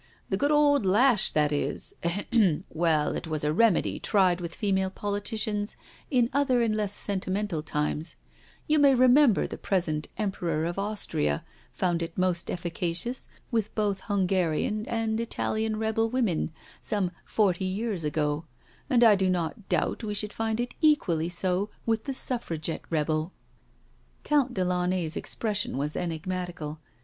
The good old lash that is — ^ahem, well> it was a remedy tried with female politicians in other and less sentimental times* You may remember the present Emperor of Austria found it most efficacious with both Hungarian and Italian rebel women^ some forty years ago> and I do not doubt we should find it equally so with the Suffragette rebel." Count de Latmay^s expression was enigmatical.